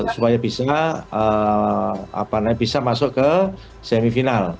supaya bisa masuk ke semifinal